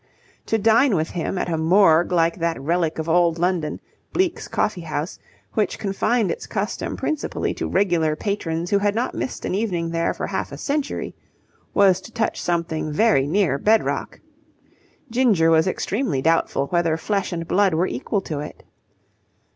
To dine with him at a morgue like that relic of Old London, Bleke's Coffee House, which confined its custom principally to regular patrons who had not missed an evening there for half a century, was to touch something very near bed rock. Ginger was extremely doubtful whether flesh and blood were equal to it.